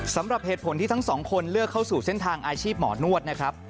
สำหรับเหตุผลที่ทั้งสองคนเลือกเข้าสู่เส้นทางอาชีพหมอนวดนะครับ